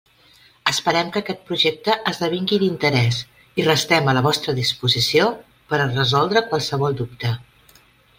Esperem que aquest projecte esdevingui d'interès i restem a la vostra disposició per a resoldre qualsevol dubte.